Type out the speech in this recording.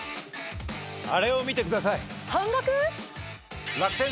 あれを見てください！